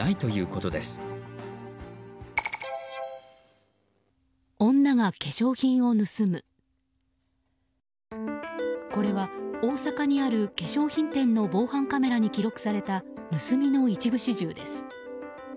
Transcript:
これは、大阪にある化粧品店の防犯カメラに記録された盗みの一部始終です。